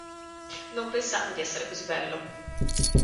Non pensavo di essere così bello!".